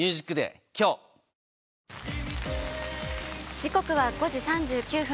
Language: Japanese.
時刻は５時３９分。